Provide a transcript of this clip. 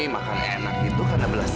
makan enak itu karena belas